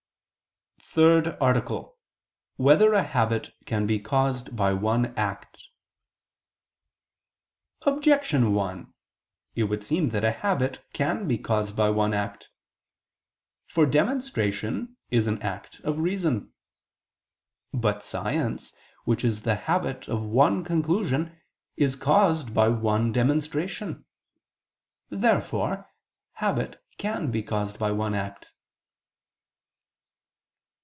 ________________________ THIRD ARTICLE [I II, Q. 51, Art. 3] Whether a Habit Can Be Caused by One Act? Objection 1: It would seem that a habit can be caused by one act. For demonstration is an act of reason. But science, which is the habit of one conclusion, is caused by one demonstration. Therefore habit can be caused by one act.